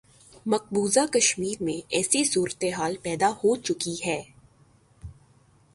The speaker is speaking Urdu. مقبوضہ کشمیر میں ایسی صورتحال پیدا ہو چکی ہے۔